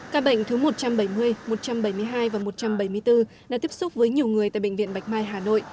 ca bệnh thứ một trăm bảy mươi một trăm bảy mươi hai và một trăm bảy mươi bốn đã tiếp xúc với nhiều người tại bệnh viện bạch mai hà nội